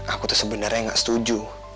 aku tuh sebenarnya gak setuju